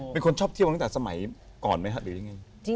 เป็นคนชอบเที่ยวตั้งแต่สมัยก่อนไหมครับหรือยังไง